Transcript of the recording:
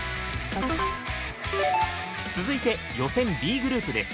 続いて予選Ｂグループです。